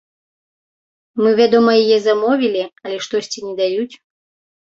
Мы, вядома, яе замовілі, але штосьці не даюць.